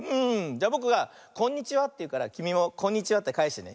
じゃあぼくが「こんにちは」っていうからきみも「こんにちは」ってかえしてね。